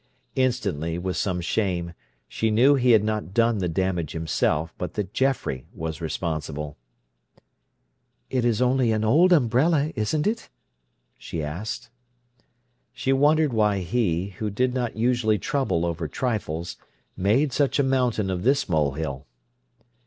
Instantly, with some shame, she knew he had not done the damage himself, but that Geoffrey was responsible. "It is only an old umbrella, isn't it?" she asked. She wondered why he, who did not usually trouble over trifles, made such a mountain of this molehill.